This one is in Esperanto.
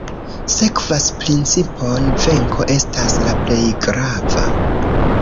Sekvas principon "Venko estas la plej grava".